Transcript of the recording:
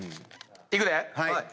いくで。